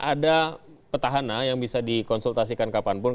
ada petahana yang bisa dikonsultasikan kapanpun